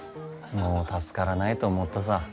もう助からないと思ったさ。